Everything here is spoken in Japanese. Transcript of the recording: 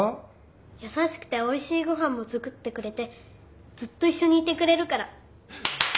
優しくておいしいご飯も作ってくれてずっと一緒にいてくれるから。